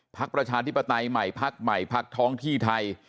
ประชาธิปไตยใหม่พักใหม่พักท้องที่ไทย